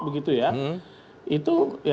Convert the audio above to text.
begitu ya itu